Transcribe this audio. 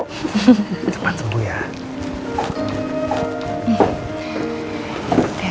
cepat sembuh ya